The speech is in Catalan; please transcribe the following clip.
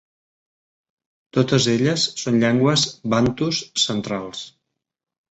Totes elles són llengües bantus centrals.